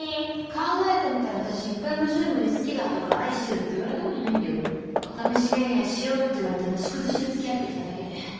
考えてみたら私１回も柊磨に好きだとか愛してるって言われたことないんだよ。お試し恋愛しようって言われてなし崩しでつきあってきただけで。